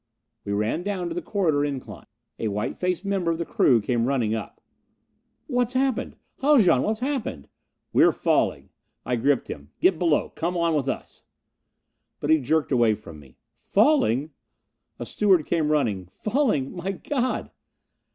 We ran down to the corridor incline. A white faced member of the crew, came running up. "What's happened? Haljan, what's happened?" "We're falling!" I gripped him. "Get below. Come on with us!" But he jerked away from me. "Falling?" A steward came running. "Falling? My God!"